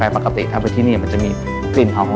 มาพรบเข้าไปนิดนึง